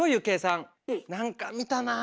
何か見たなあ！